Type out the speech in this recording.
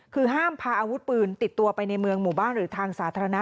คือห้ามพาอาวุธปืนติดตัวไปในเมืองหมู่บ้านหรือทางสาธารณะ